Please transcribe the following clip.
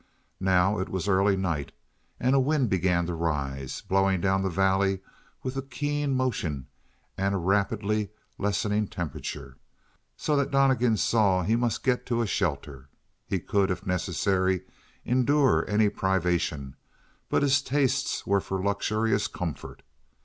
Now it was early night, and a wind began to rise, blowing down the valley with a keen motion and a rapidly lessening temperature, so that Donnegan saw he must get to a shelter. He could, if necessary, endure any privation, but his tastes were for luxurious comfort.